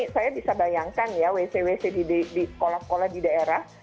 saya bisa bayangkan ya wc wc di sekolah sekolah di daerah